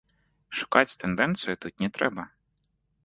Шукаць тэндэнцыю тут не трэба.